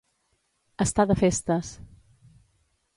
Estar de festes.